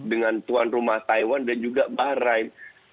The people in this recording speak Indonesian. dengan tuan rumah taiwan dan juga bahrain